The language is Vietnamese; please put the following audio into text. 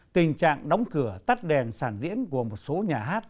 tình trạng đóng cửa tắt đèn sản diễn của một số nhà hát